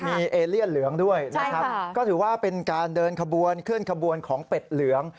มีเอเลียนเหลืองด้วยนะครับก็ถือว่าเป็นการเดินขบวนเคลื่อนขบวนของเป็ดเหลือง